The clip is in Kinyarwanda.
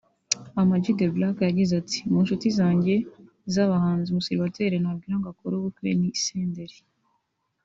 Ama G the Black yagize ati "Mu nshuti zanjye z’abahanzi umusiribateri nabwira ngo akore ubukwe ni Senderi